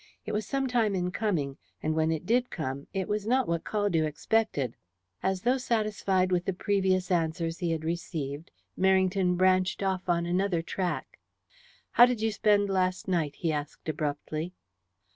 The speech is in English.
It was some time in coming, and when it did come it was not what Caldew expected. As though satisfied with the previous answers he had received, Merrington branched off on another track. "How did you spend last night?" he asked abruptly.